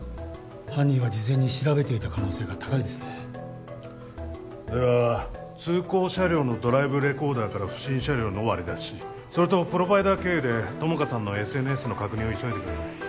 犯人は事前に調べていた可能性が高いですねでは通行車両のドライブレコーダーから不審車両の割り出しそれとプロバイダー経由で友果さんのＳＮＳの確認を急いでください